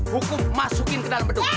hukum masukin ke dalam beduk